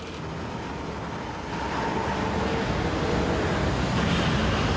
kepadatan kendaraan mulai terlihat di kilometer empat puluh tujuh hingga kilometer empat puluh dua